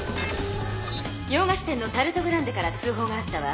洋菓子店のタルト・グランデから通ほうがあったわ。